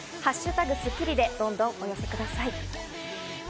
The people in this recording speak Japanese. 「＃スッキリ」でどんどんお寄せください。